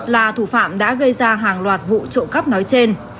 là thủ phạm đã gây ra hàng loạt vụ trộm cắp nói trên